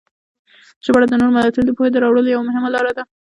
ژباړه د نورو ملتونو د پوهې د راوړلو یوه مهمه لاره ده.